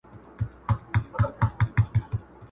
په لمن کي یې ور واچول قندونه،